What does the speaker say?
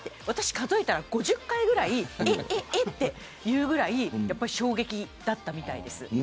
数えたら５０回ぐらいえっ、えっ、えっと言うぐらい衝撃だったみたいです。